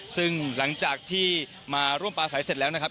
ซึ่งหลังจากที่มาร่วมปลาใสเสร็จแล้วนะครับ